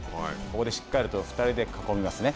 ここでしっかりと２人で囲みますね。